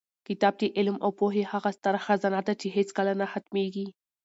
کتاب د علم او پوهې هغه ستره خزانه ده چې هېڅکله نه ختمېږي.